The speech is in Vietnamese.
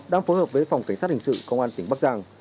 đang phối hợp với phòng cảnh sát hình sự công an tỉnh bắc giang